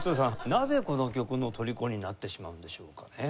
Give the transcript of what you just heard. なぜこの曲のとりこになってしまうんでしょうかね？